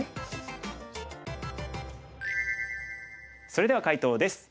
それでは解答です。